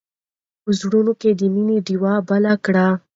په زړونو کې د مینې ډېوې بلې کړئ.